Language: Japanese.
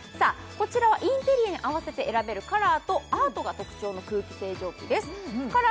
こちらはインテリアに合わせて選べるカラーとアートが特徴の空気清浄機です